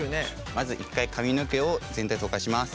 まず一回髪の毛を全体とかします。